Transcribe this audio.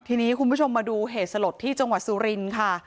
ทีนี้คุณผู้ชมมาดูเหตุสลดที่จังหวัดสุรินทร์ค่ะ